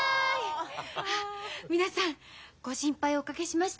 皆さんご心配をおかけしました。